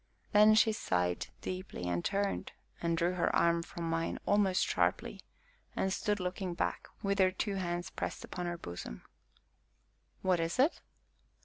Then she sighed deeply and turned, and drew her arm from mine, almost sharply, and stood looking back, with her two hands pressed upon her bosom. "What is it?"